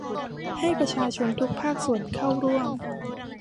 ให้ประชาชนทุกภาคส่วนเข้าร่วม